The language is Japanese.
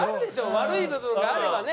悪い部分があればね。